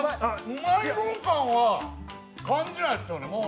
うまい棒感は感じないですよね。